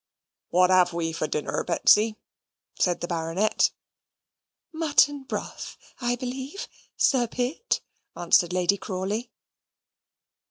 "What have we for dinner, Betsy?" said the Baronet. "Mutton broth, I believe, Sir Pitt," answered Lady Crawley.